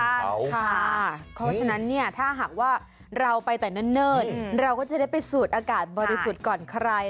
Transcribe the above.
เพราะฉะนั้นเนี่ยถ้าหากว่าเราไปแต่เนิ่นเราก็จะได้ไปสูดอากาศบริสุทธิ์ก่อนใคร